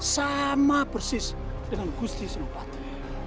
sama persis dengan gusti seropati